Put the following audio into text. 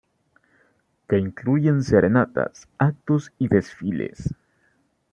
Que incluyen Serenatas, actos y Desfiles.